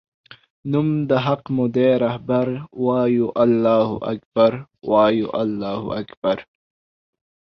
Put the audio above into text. نوم د حق مودی رهبر وایو الله اکبر وایو الله اکبر